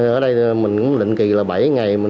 ở đây mình cũng định kỳ là bảy ngày